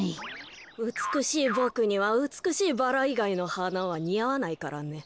うつくしいボクにはうつくしいバラいがいのはなはにあわないからね。